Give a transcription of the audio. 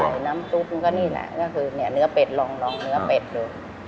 น้ำซุปก็นี่แหละก็คือเนี่ยเนื้อเป็ดลองเนื้อเป็ดดู